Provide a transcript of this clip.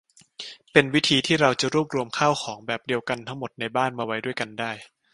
เป็นวิธีที่เราจะรวบรวมข้าวของแบบเดียวกันทั้งหมดในบ้านมาไว้ด้วยกันได้